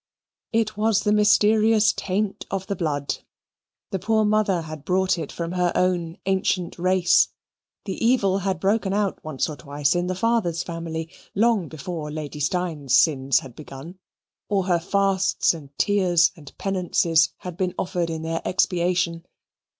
It was the mysterious taint of the blood; the poor mother had brought it from her own ancient race. The evil had broken out once or twice in the father's family, long before Lady Steyne's sins had begun, or her fasts and tears and penances had been offered in their expiation.